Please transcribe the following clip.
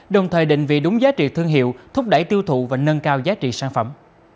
đồng thời định vị đúng giá trị thương hiệu thúc đẩy tiêu thụ và nâng cao giá trị sản phẩm